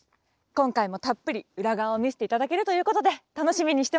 今回もたっぷり裏側を見せて頂けるということで楽しみにしてます。